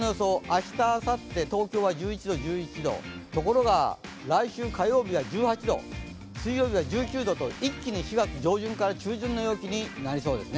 明日、あさって、東京は１１度、１１度、ところが、来週火曜日は１８度、水曜日は１９度と一気に４月上旬から中旬の陽気になりそうです。